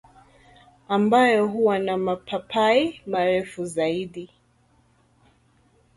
ambayo huwa na mapapai marefu zaidi,